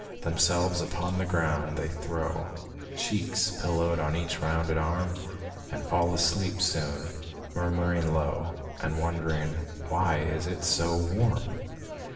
Themselves upon the ground they throw, Cheeks pillowed on each rounded arm And fall asleep soon, murmuring low, And wondering "why it is so warm?"